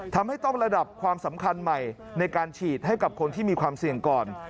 ทำให้ต้องระดับความสำคัญใหม่ในการฉีดให้กับคนที่มีความเสี่ยงก่อน